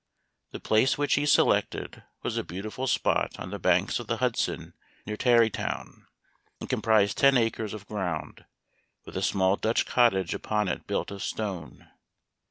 The place which he selected was a beautiful spot on the banks of the Hudson near Tarrytown, and comprised ten acres of ground, with a small Dutch cottage upon it built of stone.